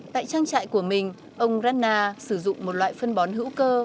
tại trang trại của mình ông rana sử dụng một loại phân bón hữu cơ